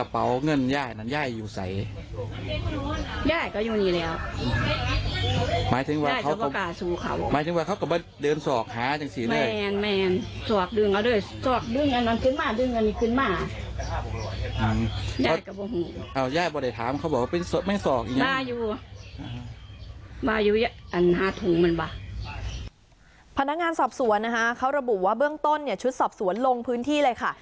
พนักงานสอบสวนนะคะเขาระบุว่าเบื้องต้นเนี่ยชุดสอบสวนลงพื้นที่เลยค่ะ